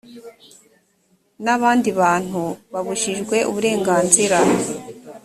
n abandi bantu babujijwe uburenganzira